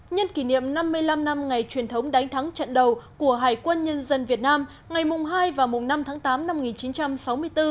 nhân kỷ niệm năm mươi năm năm ngày truyền thống đánh thắng trận đầu của hải quân nhân dân việt nam ngày mùng hai và mùng năm tháng tám năm một nghìn chín trăm sáu mươi bốn